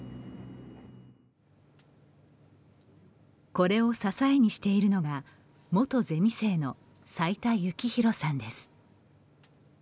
これを支えにしているのが元ゼミ生の齋田行宏さんです。